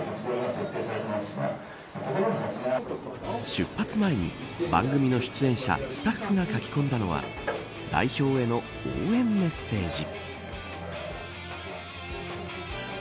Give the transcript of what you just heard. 出発前に番組の出演者スタッフが書き込んだのは代表への応援メッセージ。